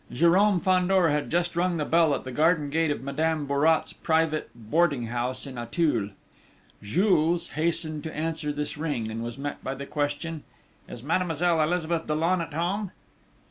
Jérôme Fandor had just rung the bell at the garden gate of Madame Bourrat's private boarding house in Auteuil. Jules hastened to answer this ring, and was met by the question: "Is Mademoiselle Elizabeth Dollon at home?"